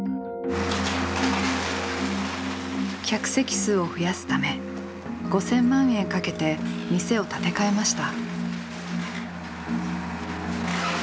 客席数を増やすため５，０００万円かけて店を建て替えました。